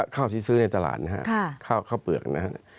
ข้าวที่ซื้อในตลาดนะครับข้าวเปลือกนะฮะ